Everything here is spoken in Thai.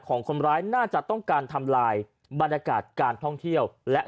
ของคนร้ายน่าจะต้องการทำลายบรรยากาศการท่องเที่ยวและ